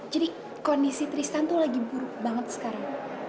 jadi kondisi tristan tuh lagi buruk banget sekarang